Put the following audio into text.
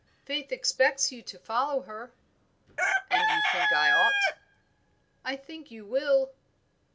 "Faith expects you to follow her." "And you think I ought?" "I think you will."